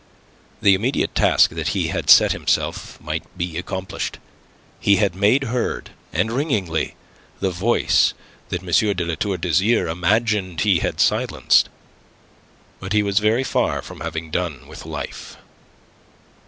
The immediate task that he had set himself might be accomplished. He had made heard and ringingly the voice that M. de La Tour d'Azyr imagined he had silenced. But he was very far from having done with life.